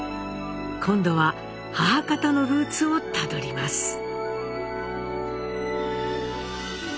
今度は母方のルーツをたどります。